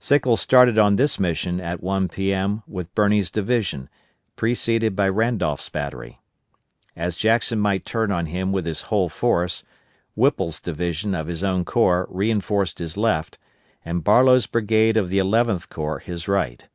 Sickles started on this mission at 1 P.M. with Birney's division, preceded by Randolph's battery. As Jackson might turn on him with his whole force, Whipple's division of his own corps reinforced his left, and Barlow's brigade of the Eleventh Corps his right.